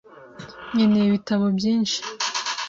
Nkeneye ibitabo byinshi .